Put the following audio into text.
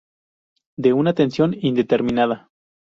De una tensión indeterminada.